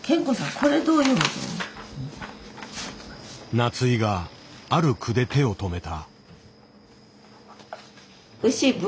夏井がある句で手を止めた。